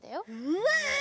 うわ！